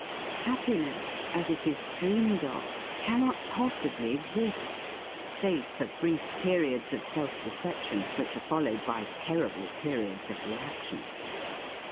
Happiness as it is dreamed of cannot possibly exist save for brief periods of self deception which are followed by terrible periods of reaction.